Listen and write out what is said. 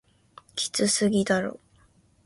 きつすぎだろ